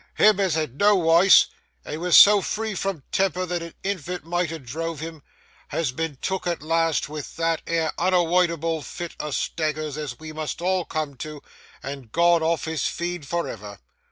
Him as had no wice, and was so free from temper that a infant might ha' drove him, has been took at last with that 'ere unawoidable fit o' staggers as we all must come to, and gone off his feed for ever!